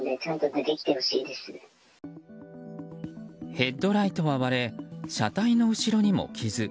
ヘッドライトは割れ車体の後ろにも傷。